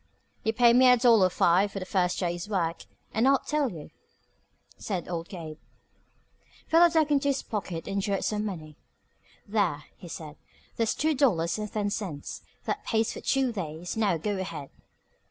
"You pay me a dollar five for the first day's work, and I'll tell you," said old Gabe. Philo dug into his pocket and drew out some money. "There," he said. "There's two dollars and ten cents. That pays for two days. Now, go ahead."